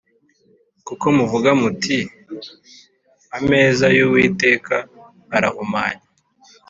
kuko muvuga muti ‘Ameza y’Uwiteka arahumanye